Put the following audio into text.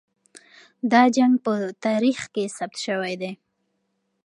دا جنګ په تاریخ کې ثبت سوی دی.